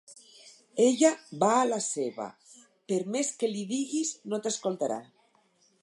Ell va a la seva: per més que li diguis, no t'escoltarà.